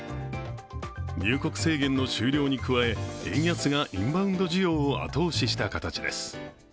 入国制限の終了に加え、円安がインバウンド需要を後押しした形です。